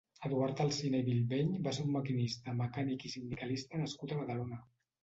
Eduard Alsina i Bilbeny va ser un maquinista, mecànic i sindicalista nascut a Badalona.